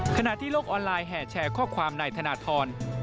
ขณะที่โลกออนไลน์แห่แชร์ข้อความนายธนทร